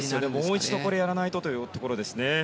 もう一度やらないとというところですね。